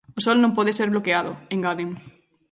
"O sol non pode ser bloqueado", engaden.